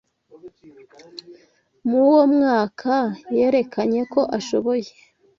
Mu uwo mwaka yerekanye ko ashoboye